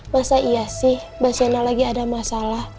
masa iya sih mbak shena lagi ada masalah